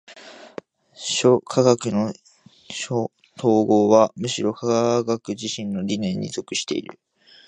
諸科学の綜合はむしろ科学自身の理念に属している。